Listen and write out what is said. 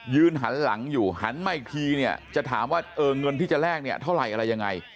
หันหลังอยู่หันมาอีกทีเนี่ยจะถามว่าเงินที่จะแลกเนี่ยเท่าไหร่อะไรยังไง